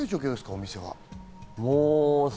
お店は。